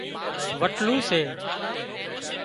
وٽلُو سي